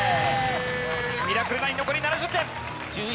ミラクル９残り７０点！